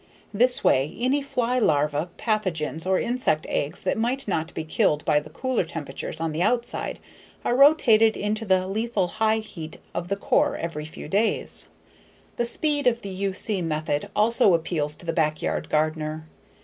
This way, any fly larvae, pathogens, or insect eggs that might not be killed by the cooler temperatures on the outside are rotated into the lethal high heat of the core every few days. The speed of the U.C. method also appeals to the backyard gardener.